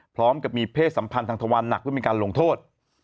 พร้อมกับมีเพศสัมพันธ์ทางทวันหนักเพื่อมีการลงโทษ